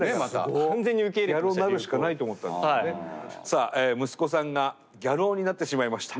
さあ息子さんがギャル男になってしまいました。